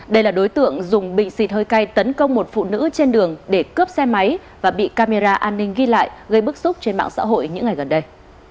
đây là đối tượng dùng bình xịt hơi cay tấn công một phụ nữ trên đường để cướp xe máy và bị camera an ninh ghi lại gây bức xúc trên mạng xã hội những ngày gần đây